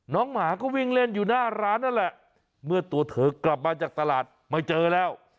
หมาก็วิ่งเล่นอยู่หน้าร้านนั่นแหละเมื่อตัวเธอกลับมาจากตลาดไม่เจอแล้ว